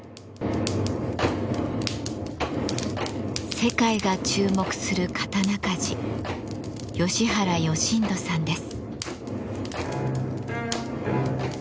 世界が注目する刀鍛冶吉原義人さんです。